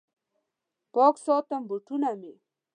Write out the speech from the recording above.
پاک ساتم بوټونه مې